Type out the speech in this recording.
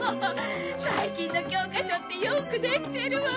最近の教科書ってよくできてるわ！